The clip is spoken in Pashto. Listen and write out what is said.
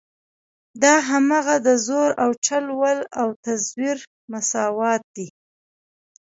دا هماغه د زور او چل ول او تزویر مساوات دي.